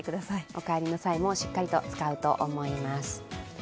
お帰りの際もしっかりと使うと思います。